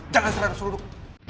jangan serang seluduk